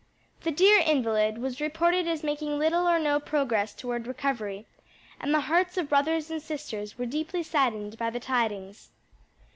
The dear invalid was reported as making little or no progress toward recovery, and the hearts of brothers and sisters were deeply saddened by the tidings.